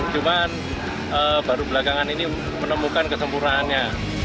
cuman baru belakangan ini menemukan kesempurnaannya